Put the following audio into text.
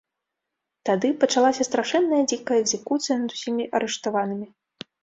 Тады пачалася страшэнная дзікая экзекуцыя над усімі арыштаванымі.